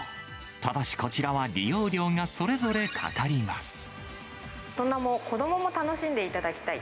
ただしこちらは利用料がそれぞれ大人も子どもも楽しんでいただきたい。